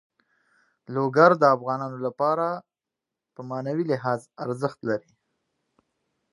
لوگر د افغانانو لپاره په معنوي لحاظ ارزښت لري.